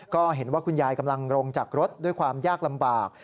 ก็เห็นว่าคุณยายกำลังลงจากรถด้วยความยากลำบาก